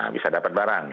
bisa dapat barang